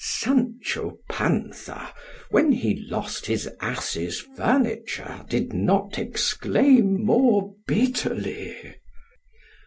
Sancho Pança, when he lost his ass's FURNITURE, did not exclaim more bitterly.